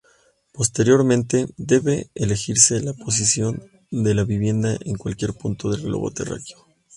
Posteriormente, debe elegirse la posición de la vivienda en cualquier punto del globo terráqueo.